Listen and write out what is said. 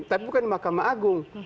tapi bukan di makam agung